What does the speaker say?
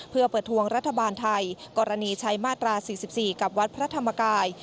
เพื่อเปิดทวงรัฐบาลไทยกรณีใช้มาตรา๔๔กับวัดพระธรรมกาย